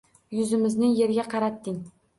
Yuzimizni yerga qaratding